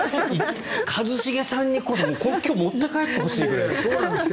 一茂さんにこそ今日、持って帰ってほしいくらいですよ。